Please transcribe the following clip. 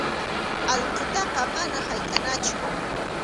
Allqutaqa manam haytʼanachu.